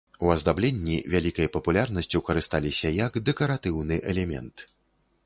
У аздабленні вялікай папулярнасцю карысталіся як дэкаратыўны элемент.